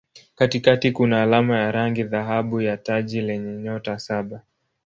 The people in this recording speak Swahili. Katikati kuna alama ya rangi dhahabu ya taji lenye nyota saba.